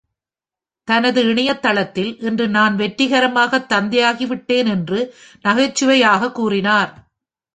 தனது இணையதளத்தில்,"இன்று நான் வெற்றிகரமாக தந்தையாகிவிட்டேன்!" என்று நகைச்சுவையாக கூறினார்.